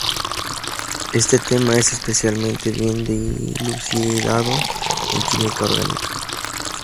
Este tema es especialmente bien dilucidado en química orgánica.